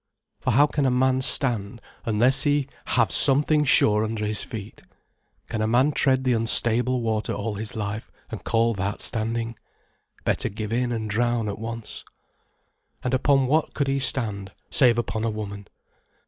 For how can a man stand, unless he have something sure under his feet. Can a man tread the unstable water all his life, and call that standing? Better give in and drown at once. And upon what could he stand, save upon a woman?